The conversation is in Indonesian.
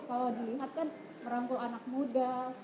kalau dilihat kan merangkul anak muda